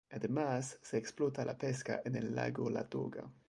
Además se explota la pesca en el lago Ládoga.